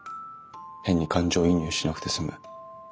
変に感情移入しなくて済む。